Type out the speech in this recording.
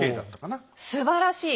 すばらしい！